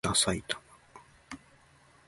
ださいたま